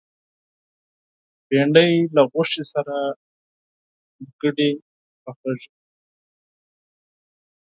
بېنډۍ له غوښې سره ګډه پخېږي